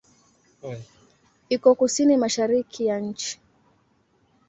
Iko kusini-mashariki ya nchi.